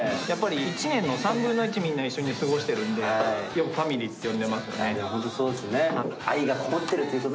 やっぱり１年の３分の１、みんな一緒に過ごしてるんで、よくファ本当そうですね。